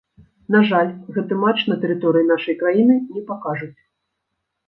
На жаль, гэты матч на тэрыторыі нашай краіны не пакажуць.